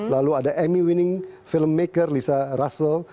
lalu ada emmy winning film maker lisa russell